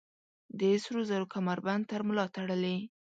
د سروزرو کمربند تر ملا تړلي